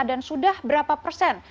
dan sudah berapa persen